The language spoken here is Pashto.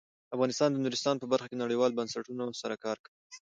افغانستان د نورستان په برخه کې نړیوالو بنسټونو سره کار کوي.